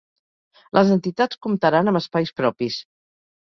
Les entitats comptaran amb espais propis.